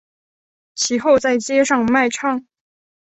其后在街上卖唱。